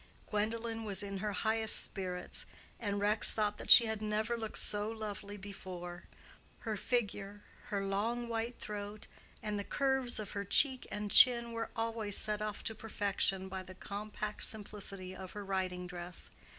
Gwendolen was in her highest spirits, and Rex thought that she had never looked so lovely before; her figure, her long white throat, and the curves of her cheek and chin were always set off to perfection by the compact simplicity of her riding dress.